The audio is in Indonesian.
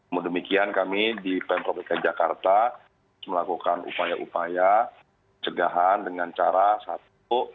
kemudian kami di pemprovika jakarta melakukan upaya upaya pencegahan dengan cara satu